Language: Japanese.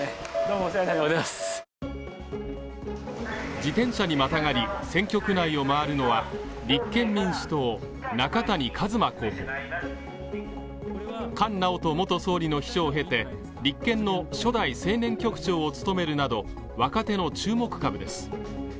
自転車にまたがり選挙区内を回るのは立憲民主党・中谷一馬候補菅直人元総理の秘書を経て立憲の初代青年局長を務めるなど若手の注目株です